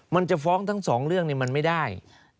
มันจะฟ้องทั้งสองเรื่องมันไม่ได้